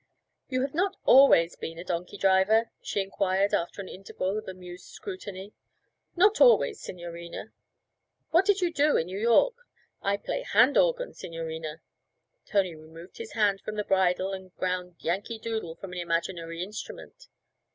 'You have not always been a donkey driver?' she inquired after an interval of amused scrutiny. 'Not always, signorina.' 'What did you do in New York?' 'I play hand organ, signorina.' Tony removed his hand from the bridle and ground 'Yankee Doodle' from an imaginary instrument.